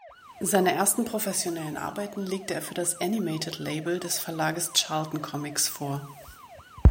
Seine ersten professionellen Arbeiten legte er für das Animated-Label des Verlages Charlton Comics vor.